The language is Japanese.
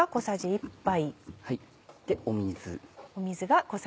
水。